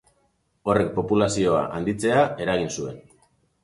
Horrek populazioa handitzea eragin zuen.